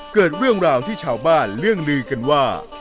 เกิดเรื่องราวที่ชาวบ้านเรื่องลือกันว่า